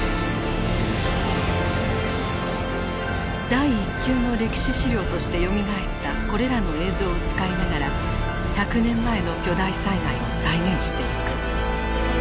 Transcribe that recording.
第一級の歴史資料としてよみがえったこれらの映像を使いながら１００年前の巨大災害を再現していく。